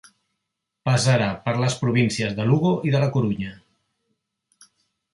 Passarà per les províncies de Lugo i de La Corunya.